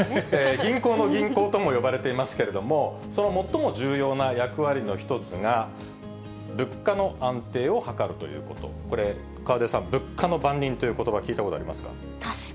銀行の銀行とも呼ばれていますけれども、その最も重要な役割の一つが、物価の安定を図るということ、これ、河出さん、物価の番人ということば、聞いたことありますか？